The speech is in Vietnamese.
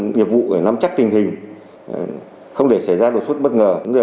nghiệp vụ để nắm chắc tình hình không để xảy ra đột xuất bất ngờ